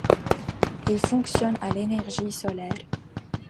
Il fonctionne à l'énergie solaire.